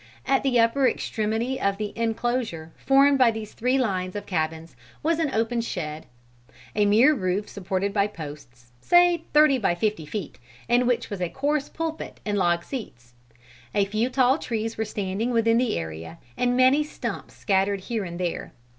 At the upper extremity of the inclosure, formed by these three lines of cabins, was an open shed; a mere roof supported by posts, say thirty by fifty feet, in which was a coarse pulpit and log seats. A few tall trees were standing within the area, and many stumps scattered here and there.